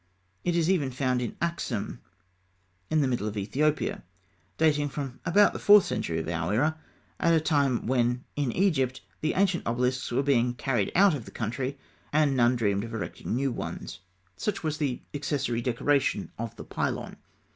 It is even found at Axûm, in the middle of Ethiopia, dating from about the fourth century of our era, at a time when in Egypt the ancient obelisks were being carried out of the country, and none dreamed of erecting new ones. Such was the accessory decoration of the pylon.